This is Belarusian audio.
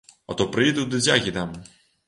А то прыйду ды дзягі дам!